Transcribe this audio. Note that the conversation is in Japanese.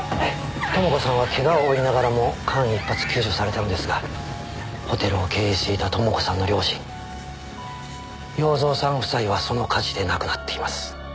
朋子さんは怪我を負いながらも間一髪救助されたのですがホテルを経営していた朋子さんの両親洋蔵さん夫妻はその火事で亡くなっています。